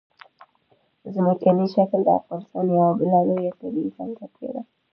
ځمکنی شکل د افغانستان یوه بله لویه طبیعي ځانګړتیا ده.